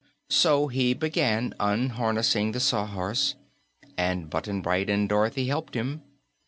So he began unharnessing the Sawhorse, and Button Bright and Dorothy helped him.